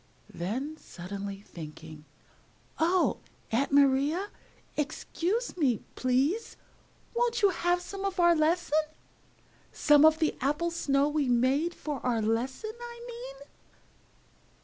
Then, suddenly thinking, "Oh, Aunt Maria, excuse me, please! Won't you have some of our lesson? Some of the Apple Snow we made for our lesson, I mean?"